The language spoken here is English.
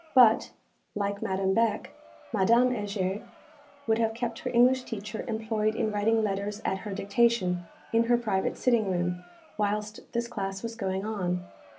But, like Madame Beck, Madame Heger would have kept her English teacher employed in writing letters at her dictation, in her private sitting room, whilst this class was going on.